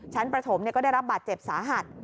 ประถมก็ได้รับบาดเจ็บสาหัส